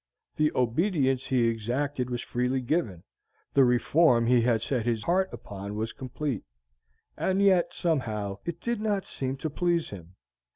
The obedience he exacted was freely given, the reform he had set his heart upon was complete; and yet, somehow, it did not seem to please him.